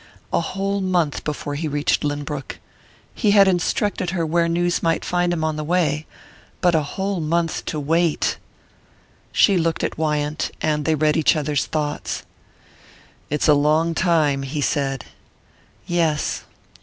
A whole month before he reached Lynbrook! He had instructed her where news might find him on the way ... but a whole month to wait! She looked at Wyant, and they read each other's thoughts. "It's a long time," he said. "Yes."